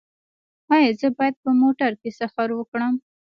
ایا زه باید په موټر کې سفر وکړم؟